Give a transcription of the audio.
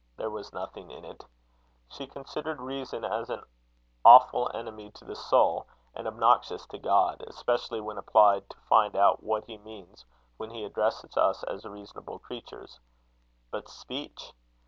There was nothing in it. She considered reason as an awful enemy to the soul, and obnoxious to God, especially when applied to find out what he means when he addresses us as reasonable creatures. But speech?